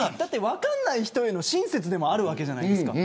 分からない人への親切でもあるわけじゃないですか。